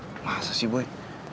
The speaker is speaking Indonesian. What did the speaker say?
hah masa sih boy